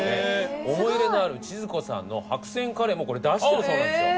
思い入れのある千鶴子さんの白扇カレーもこれ出してるそうなんですよ。